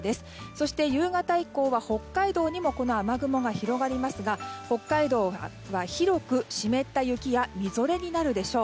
そして夕方以降は北海道にもこの雨雲が広がりますが北海道は広く湿った雪やみぞれになるでしょう。